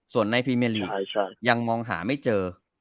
ส่วนในฟรีเมียร์ลีย์ยังมองหาไม่เจอ